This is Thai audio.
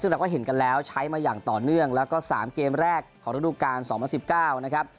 ซึ่งเราก็เห็นกันแล้วใช้มาอย่างต่อเนื่องแล้วก็๓เกมแรกของฤดูการ๒๐๑๙นะครับ